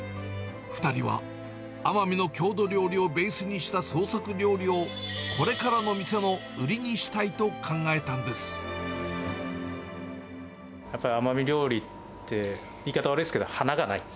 ２人は奄美の郷土料理をベースにした創作料理を、これからの店のやっぱり奄美料理って、言い方悪いですけど、華がない。